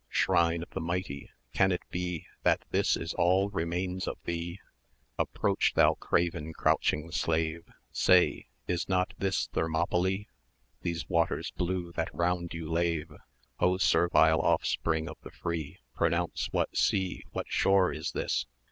Shrine of the mighty! can it be,[cl] That this is all remains of thee? Approach, thou craven crouching slave: Say, is not this Thermopylæ?[cm] These waters blue that round you lave, 110 Oh servile offspring of the free Pronounce what sea, what shore is this?